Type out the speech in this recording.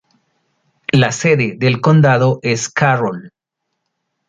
La sede del condado es Carroll.